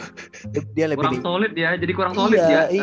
kurang solid ya jadi kurang solid ya